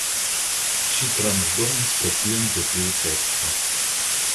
Ŝi transdonis kopion de tiu teksto.